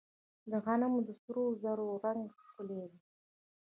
د غنمو د سرو زرو رنګ ښکلی دی.